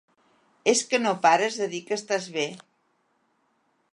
És que no pares de dir que estàs bé.